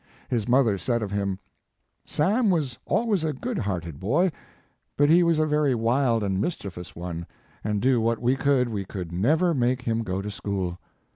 His mother said of him ; "Sam was always a good hearted boy, but he was a very wild and mischievous one, and do what we could, we could never make him go to school.